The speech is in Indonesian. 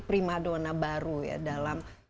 prima dona baru ya dalam